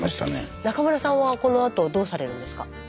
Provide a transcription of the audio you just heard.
中村さんはこのあとどうされるんですか？